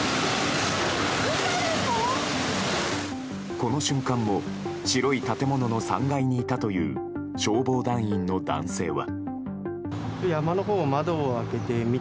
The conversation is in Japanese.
この瞬間も白い建物の３階にいたという消防団員の男性は。